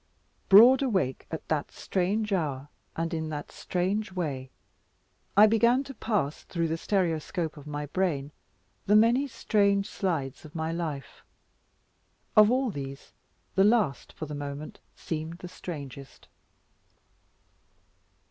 Broad awake at that strange hour, and in that strange way, I began to pass through the stereoscope of my brain the many strange slides of my life. Of all of these, the last for the moment seemed the strangest.